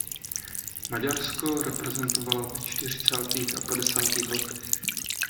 Maďarsko reprezentovala ve čtyřicátých a padesátých letech.